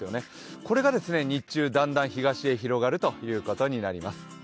これが日中だんだん東へ広がることになります。